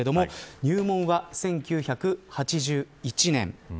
入門は１９８１年。